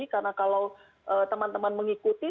karena kalau teman teman mengikuti